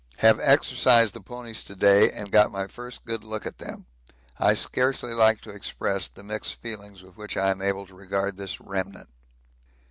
Have exercised the ponies to day and got my first good look at them. I scarcely like to express the mixed feelings with which I am able to regard this remnant.